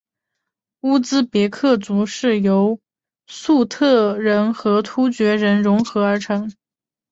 乌兹别克族是由粟特人和突厥人溶合而成。